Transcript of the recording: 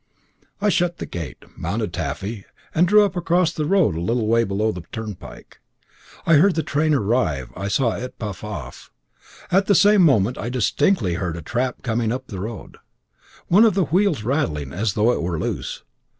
I shut the gate, mounted Taffy, and drew up across the road a little way below the turnpike. I heard the train arrive I saw it puff off. At the same moment I distinctly heard a trap coming up the road, one of the wheels rattling as though it were loose.